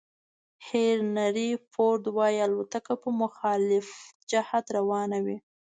هینري فورد وایي الوتکه په مخالف جهت روانه وي.